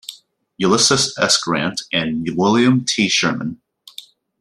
Ulysses S. Grant and William T. Sherman.